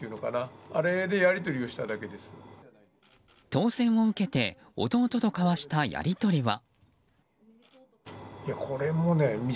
当選を受けて弟と交わしたやり取りは。